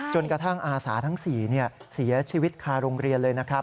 กระทั่งอาสาทั้ง๔เสียชีวิตคาโรงเรียนเลยนะครับ